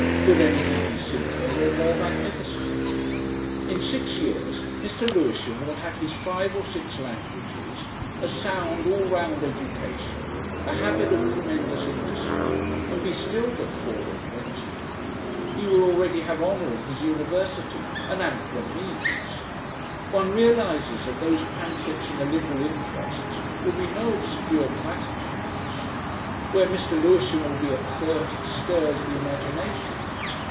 Could anything be simpler or more magnificent? In six years Mr. Lewisham will have his five or six languages, a sound, all round education, a habit of tremendous industry, and be still but four and twenty. He will already have honour in his university and ampler means. One realises that those pamphlets in the Liberal interests will be no obscure platitudes. Where Mr. Lewisham will be at thirty stirs the imagination.